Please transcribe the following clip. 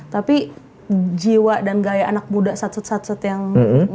tapi jiwa dan gaya anak muda sat sat sat yang